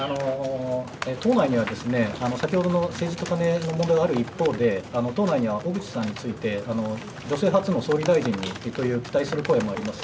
党内には、先ほどの政治とカネの問題がある一方で、党内には小渕さんについて、女性初の総理大臣にと期待する声もあります。